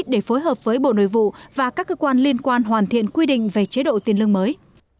để phối hợp với bộ nội vụ và các cơ quan liên quan hoàn thiện quy định về chế độ tiền lương mới